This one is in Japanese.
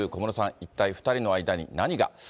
一体２人の間に何が。